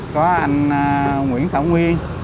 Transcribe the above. có anh nguyễn thảo nguyên